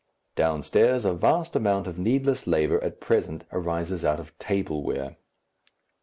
Downstairs a vast amount of needless labour at present arises out of table wear.